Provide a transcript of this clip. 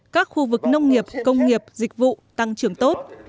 các khu vực nông nghiệp công nghiệp dịch vụ tăng trưởng tốt